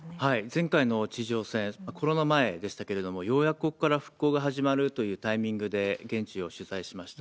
前回の地上戦、コロナ前でしたけれども、ようやくここから復興が始まるというタイミングで、現地を取材しました。